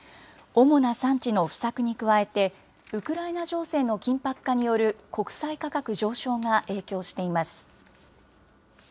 主な産地の不作に加えて、ウクライナ情勢の緊迫化による国際価格上昇が影響しています。